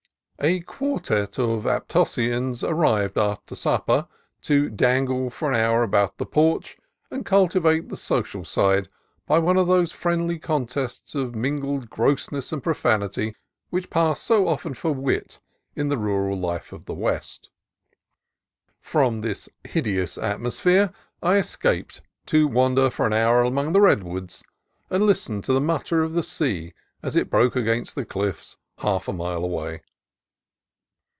A quartette of Aptosians arrived after supper, to dangle for an hour about the porch and cultivate the social side by one of those friendly contests of mingled grossness and profanity which pass so often for wit in the rural life of the West. From this hideous atmosphere I escaped to wander for an hour among the redwoods, and listen to the mutter of the sea as it broke against the cliffs half a mile away.